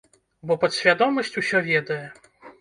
Бо падсвядомасць усё ведае.